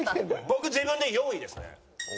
僕自分で４位ですね。